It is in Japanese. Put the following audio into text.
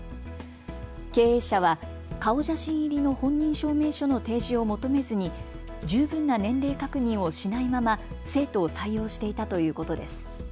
経営者は顔写真入りの本人証明書の提示を求めずに十分な年齢確認をしないまま生徒を採用していたということです。